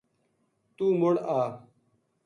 توہ مُڑ آ